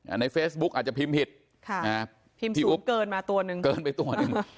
ในเฟซบุ๊กอาจจะพิมพ์ผิดค่ะนะฮะพิมพ์สูงเกินมาตัวหนึ่งเกินไปตัวหนึ่ง